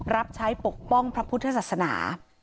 รับใช้ปกป้องพระพุทธศาสนา